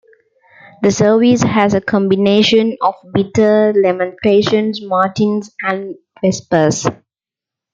The service has a combination of Bitter Lamentations, Matins, and Vespers.